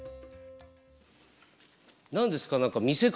何ですか？